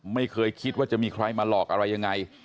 ไม่เคยคิดว่าจะมีใครมาหลอกอะไรยังไง